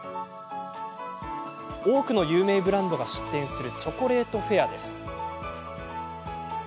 多くの有名ブランドが出店するチョコレートフェアです。